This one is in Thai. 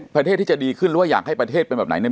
ประเทศที่จะดีขึ้นหรือว่าอยากให้ประเทศเป็นแบบไหนเนี่ย